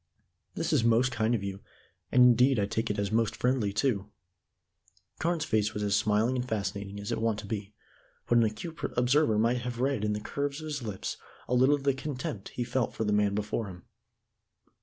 "This is most kind of you, and indeed I take it as most friendly too." Carne's face was as smiling and fascinating as it was wont to be, but an acute observer might have read in the curves of his lips a little of the contempt he felt for the man before him.